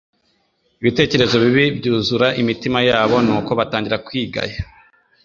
Ibitekerezo bibi byuzura imitima yabo. Nuko batangira kwigaya.